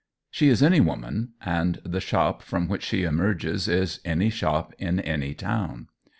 She is any woman, and the shop from which she emerges is any shop in any town.